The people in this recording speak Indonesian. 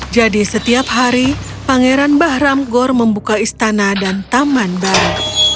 jadi setiap hari pangeran bahram gor membuka istana dan taman baru